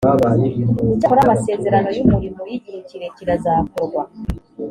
icyakora amasezerano y umurimo y igihe kirekire azakorwa